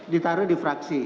ditaruh di fraksi